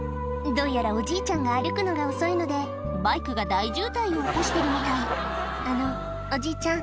どうやらおじいちゃんが歩くのが遅いのでバイクが大渋滞を起こしてるみたいあのおじいちゃん